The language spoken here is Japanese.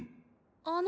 あの。